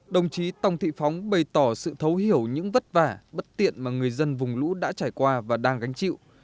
đồng chí tòng thị phóng bày tỏ sự thấu hiểu những vất vả bất tiện mà người dân vùng lũ đã trải qua và đang gánh chịu